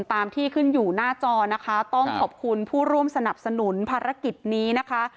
ตามที่ขึ้นอยู่หน้าจอนะคะต้องขอบคุณผู้ร่วมสนับสนุนภารกิจนี้นะคะ